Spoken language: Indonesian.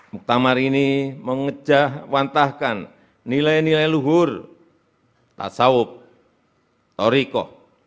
muktamar ini mengejawantahkan nilai nilai luhur tassawuh torikoh